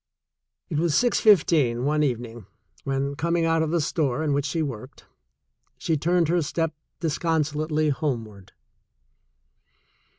It was six fifteen one evening when, coming out of the store in which she worked, she turned her step 152 THE SECOND CHOICE disconsolately homeward.